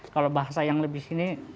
kalau bahasa yang lebih sini